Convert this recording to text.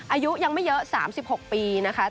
อายุยังไม่เยอะ๓๖ปีนะคะ